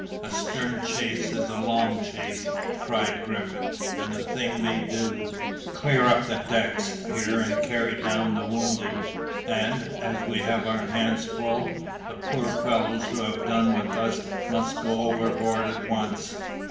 "A stern chase is a long chase," cried Griffith, "and the thing may do! Clear up the decks, here, and carry down the wounded; and, as we have our hands full, the poor fellows who have done with us must go overboard at once."